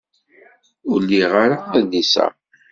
Ur liɣ ara adlis-a.